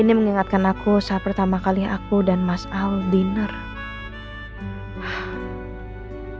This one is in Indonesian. ini mengingatkan saya saat pertama kali saya dan mas al makan malam